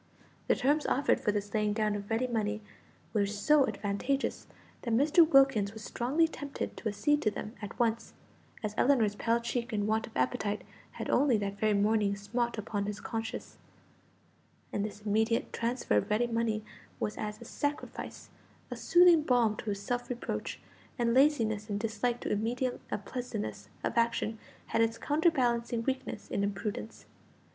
The terms offered for this laying down of ready money were so advantageous, that Mr. Wilkins was strongly tempted to accede to them at once; as Ellinor's pale cheek and want of appetite had only that very morning smote upon his conscience, and this immediate transfer of ready money was as a sacrifice, a soothing balm to his self reproach, and laziness and dislike to immediate unpleasantness of action had its counterbalancing weakness in imprudence.